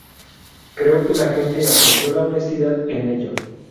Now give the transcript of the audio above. Creo que la gente apreció la honestidad en ello.